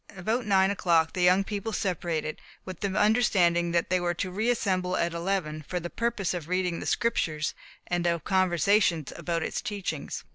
About nine o'clock the young people separated, with the understanding that they were to re assemble at eleven, for the purpose of reading the Scriptures, and of conversation about its teachings.